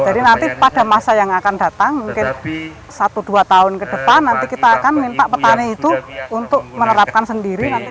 nanti pada masa yang akan datang mungkin satu dua tahun ke depan nanti kita akan minta petani itu untuk menerapkan sendiri nanti